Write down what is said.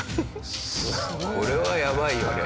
これはやばいよね。